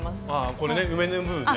これね上の部分ね。